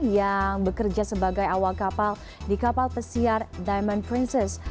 yang bekerja sebagai awal kapal di kapal pesiar diamond princess